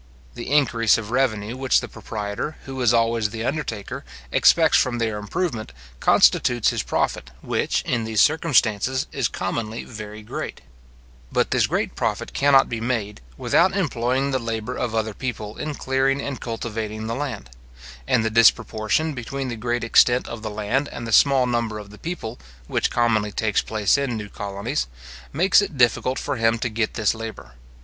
The increase of revenue which the proprietor, who is always the undertaker, expects from their improvement, constitutes his profit, which, in these circumstances, is commonly very great; but this great profit cannot be made, without employing the labour of other people in clearing and cultivating the land; and the disproportion between the great extent of the land and the small number of the people, which commonly takes place in new colonies, makes it difficult for him to get this labour.